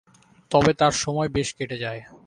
তবে তার সময় বেশ কেটে যায়।